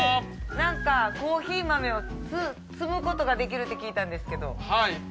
なんかコーヒー豆を摘むことができるって聞いたんですけど。